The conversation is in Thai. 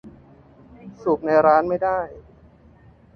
สูบในร้านไม่ได้